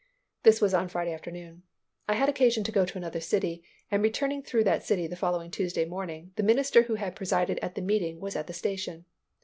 This was on Friday afternoon. I had occasion to go to another city, and returning through that city the following Tuesday morning, the minister who had presided at the meeting was at the station.